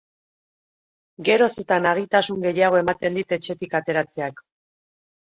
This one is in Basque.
Geroz eta nagitasun gehiago ematen dit etxetik ateratzeak.